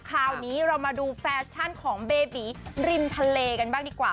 คราวนี้เรามาดูแฟชั่นของเบบีริมทะเลกันบ้างดีกว่า